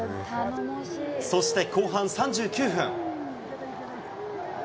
そして後半３９分。